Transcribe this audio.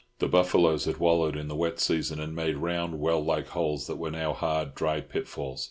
The buffaloes had wallowed in the wet season and made round well like holes that were now hard, dry pitfalls.